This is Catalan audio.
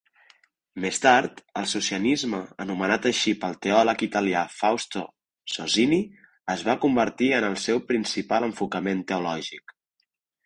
Més tard, el Socinianisme, anomenat així pel teòleg italià Fausto Sozzini, es va convertir en el seu principal enfocament teològic.